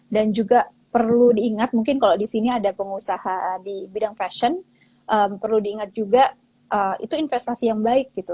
dan juga perlu diingat mungkin kalau di sini ada pengusaha di bidang fashion perlu diingat juga itu investasi yang baik gitu